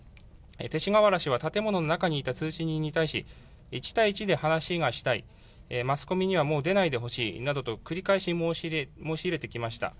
勅使河原氏は建物の中にいた通知人に対し、一対一で話がしたい、マスコミにはもう出ないでほしいなどと繰り返し申し入れてきました。